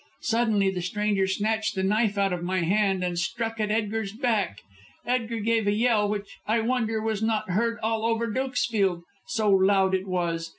Suddenly the stranger snatched the knife out of my hand, and struck at Edgar's back. Edgar gave a yell which, I wonder, was not heard all over Dukesfield, so loud it was.